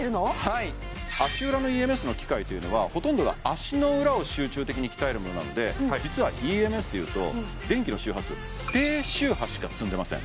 はい足裏のＥＭＳの機械というのはほとんどが足の裏を集中的に鍛えるものなので実はＥＭＳっていうと電気の周波数低周波しか積んでません